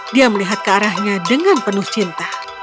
dia melihat ke arahnya dengan penuh cinta